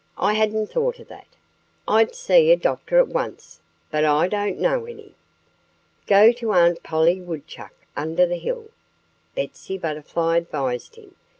"I hadn't thought of that. I'd see a doctor at once; but I don't know any." "Go to Aunt Polly Woodchuck, under the hill," Betsy Butterfly advised him.